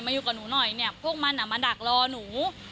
อยู่กับหนูหน่อยเนี่ยพวกมันมาดักรอหนู